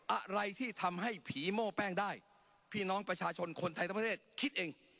อะไรที่ทำให้ผีโม่แป้งได้พี่น้องประชาชนคนไทยทั้งประเทศคิดเอง